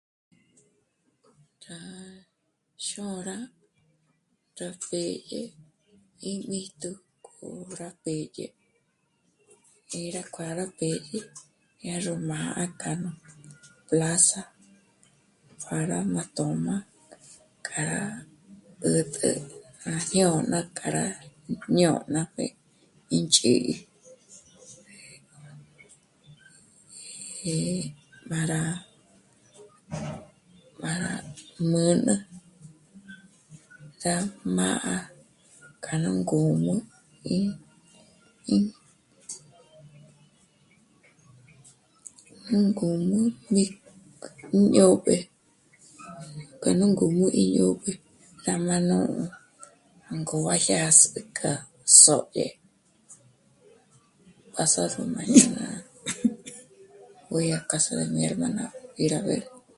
Rá... xôra rá pédye í míjtu k'o rá pédye é rá kuà'a rá pédye rá... ró má'a k'anú plaza pjara má t'ö̌m'a k'a rá 'ä̀t'ä ná jñôna, k'a rá jñôna pjé ínch'ǐ'i. í má rá... má rá... mǚn'ü rá má'a kja nú ngǔm'ü í... ín... nú ngǔm'ü mí... íñó'b'ë... k'a nú ngǔm'ü íñó'b'ë rá má nú ngób'a jyás'ü k'a sòdye....